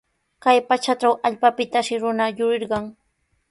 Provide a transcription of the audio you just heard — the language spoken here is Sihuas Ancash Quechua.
Kay pachatraw allpapitashi runa yurirqan.